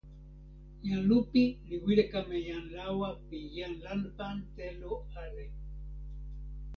jan Lupi li wile kama jan lawa pi jan lanpan telo ale.